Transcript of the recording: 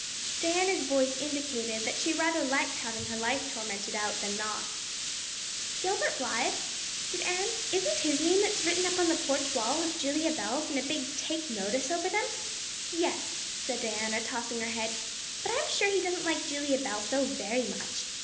Diana's voice indicated that she rather liked having her life tormented out than not. "Gilbert Blythe?" said Anne. "Isn't his name that's written up on the porch wall with Julia Bell's and a big 'Take Notice' over them?" "Yes," said Diana, tossing her head, "but I'm sure he doesn't like Julia Bell so very much.